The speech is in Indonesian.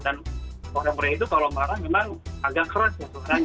dan orang orang itu kalau marah memang agak keras ya sebenarnya